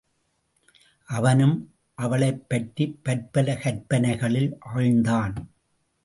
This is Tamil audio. அவனும் அவளைப் பற்றிப் பற்பல கற்பனைகளில் ஆழ்ந்தான்.